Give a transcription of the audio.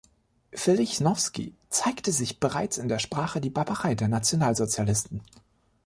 Für Lichnowsky zeigte sich bereits in der Sprache die Barbarei der Nationalsozialisten.